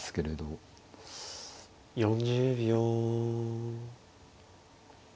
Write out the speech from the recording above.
４０秒。